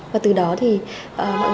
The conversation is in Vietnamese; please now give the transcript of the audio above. và từ đó thì mọi người